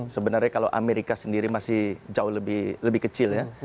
sebenarnya kalau amerika sendiri masih jauh lebih kecil ya